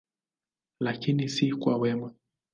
Lakini si kwa mema.